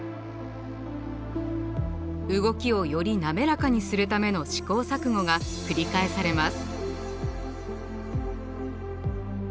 動きをより滑らかにするための試行錯誤が繰り返されます。